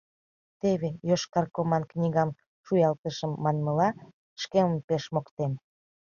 Теве, — йошкар коман книжкам шуялтышым, манмыла, шкемым пеш моктем.